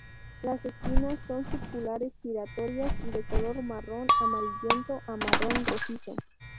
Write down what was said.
Las espinas son circulares giratorias y de color marrón amarillento a marrón rojizo.